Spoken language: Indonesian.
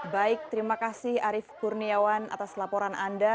baik terima kasih arief kurniawan atas laporan anda